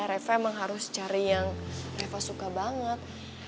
reva emang harus cari yang eva suka banget